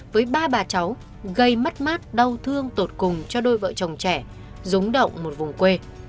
với ba bà cháu gây mất mát đau thương tột cùng cho đôi vợ chồng trẻ rúng động một vùng quê